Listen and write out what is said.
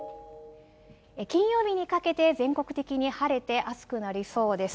金曜日にかけて全国的に晴れて暑くなりそうです。